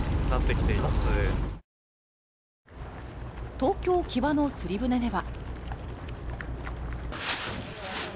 東京・木場の釣り船では。